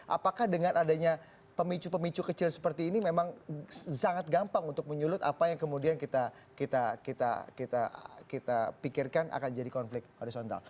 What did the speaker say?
apakah dengan adanya pemicu pemicu kecil seperti ini memang sangat gampang untuk menyulut apa yang kemudian kita pikirkan akan jadi konflik horizontal